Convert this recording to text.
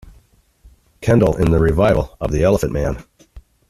Kendal in the revival of "The Elephant Man".